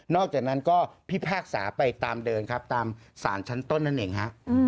อกจากนั้นก็พิพากษาไปตามเดินครับตามสารชั้นต้นนั่นเองฮะ